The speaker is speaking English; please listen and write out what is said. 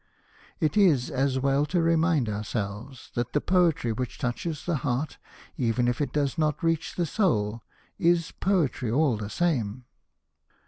It is as well to remind ourselves that the poetry which touches the heart, even if it does not reach the soul, is poetry all the same.